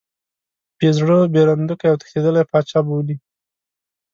بې زړه، بېرندوکی او تښتېدلی پاچا بولي.